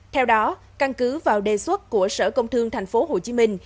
theo đó căn cứ vào đề xuất của sở công thương thành phố hồ chí minh